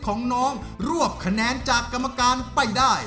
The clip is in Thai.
ของน้องรวบคะแนนจากกรรมการไปได้